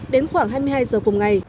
đến khoảng hai mươi hai giờ cùng ngày